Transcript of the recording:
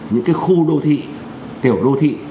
những cái khu đô thị tiểu đô thị